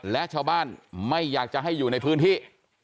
และชาวบ้านไม่อยากจะให้อยู่ในพื้นที่